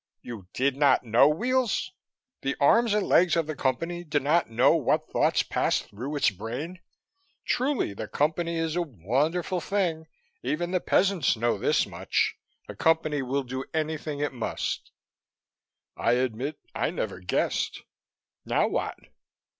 "You did not know, Weels? The arms and legs of the Company do not know what thoughts pass through its brain? Truly, the Company is a wonderful thing! Even the peasants know this much the Company will do anything it must." "I admit I never guessed. Now what?"